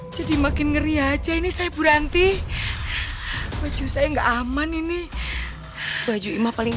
jadi makin ngeri aja ini saya berhenti baju saya nggak aman ini baju imah paling